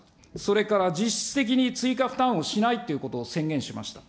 それから実質的に追加負担をしないっていうことを宣言しました。